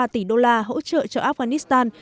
ba tỷ đô la hỗ trợ cho afghanistan